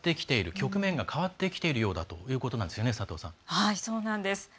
局面が変わってきているようだということなんですよね。